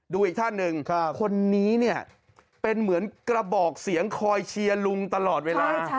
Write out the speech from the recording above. อีกท่านหนึ่งคนนี้เนี่ยเป็นเหมือนกระบอกเสียงคอยเชียร์ลุงตลอดเวลา